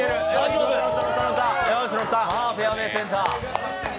さあ、フェアウエー、センター。